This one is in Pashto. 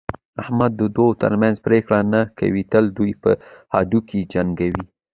احمد د دوو ترمنځ پرېکړه نه کوي، تل دوه په هډوکي جنګوي.